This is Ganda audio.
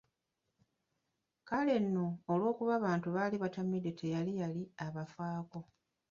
Kale nno, olw'okuba abantu baali batamidde tewali yali abafaako.